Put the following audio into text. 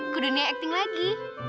ke dunia acting lagi